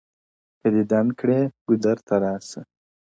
• که دیدن کړې ګودر ته راسه,